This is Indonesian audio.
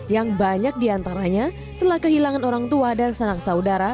yang banyak diantaranya telah kehilangan orang tua dan sanak saudara